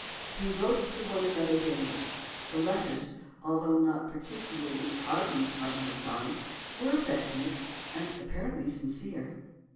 "We wrote to one another daily. The letters, though not particularly ardent on her side, were affectionate and apparently sincere.